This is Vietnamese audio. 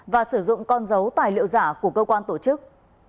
và sử dụng con dấu tài liệu giả của cơ quan tổ chức